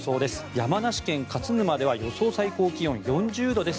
山梨県勝沼では予想最高気温４０度です。